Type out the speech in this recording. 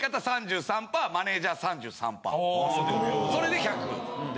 それで１００です。